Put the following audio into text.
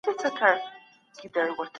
کمپيوټر ټرانزيکشن خوندي کوي.